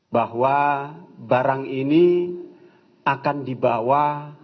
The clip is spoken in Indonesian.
bahwa barang ini akan dibawa